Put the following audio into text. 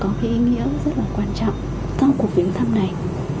có cái ý nghĩa rất là quan trọng trong cuộc viếng thăm này